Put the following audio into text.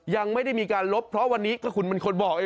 ยังไม่ได้มีการลบเพราะวันนี้ก็คุณเป็นคนบอก